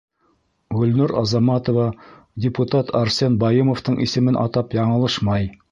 Гөлнур Азаматова депутат Арсен Байымовтың исемен атап яңылышмай.